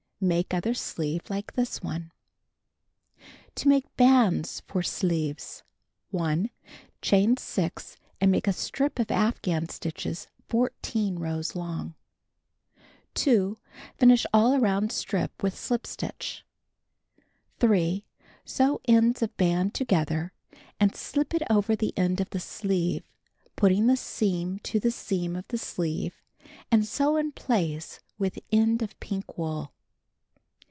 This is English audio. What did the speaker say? Make other sleeve like this one. To Make Bands for Sleeves : 1. Cham 6, and make a strip of afghan stitches 14 rows long. 2. Finish all around strip with shp stitch. 3. Sew ends of band together, and slip it over the end of the sleeve, putting the seam to the seam of the sleeve, and sew in place with end of pink wool.